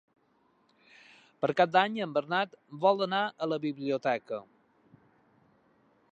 Per Cap d'Any en Bernat vol anar a la biblioteca.